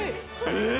えっ？